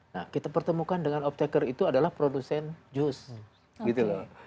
nah kita pertemukan dengan optaker itu adalah produsen jus gitu loh